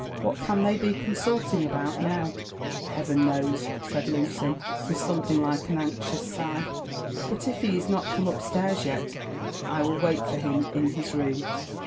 What can they be consulting about now ?"*' Heaven knows!" said Lucy, with something like an anxious sigh. *' Bui if he is not come up stairs yet, I will wait for him in his room.